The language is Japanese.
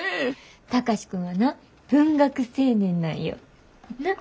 貴司君はな文学青年なんよ。なぁ？